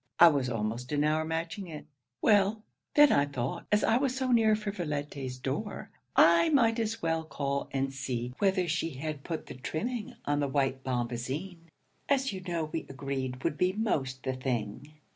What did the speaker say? I was almost an hour matching it. Well, then I thought as I was so near Frivolité's door, I might as well call and see whether she had put the trimming on the white bombazeen, as you know we agreed would be most the thing.